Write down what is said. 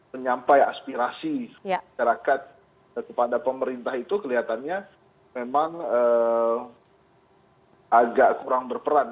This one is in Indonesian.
menyampai aspirasi masyarakat kepada pemerintah itu kelihatannya memang agak kurang berperan